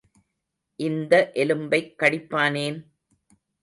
இந்த எலும்பைக் கடிப்பானேன்?